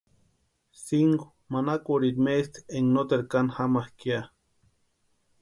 Sinku manakurhiri maesti énka noteru kani jamakʼa ya.